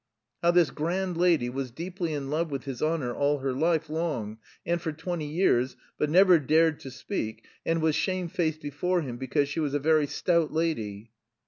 "How this grand lady was deeply in love with his honour all her life long and for twenty years, but never dared to speak, and was shamefaced before him because she was a very stout lady...."